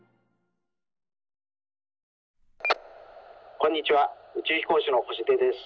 こんにちは宇宙飛行士の星出です。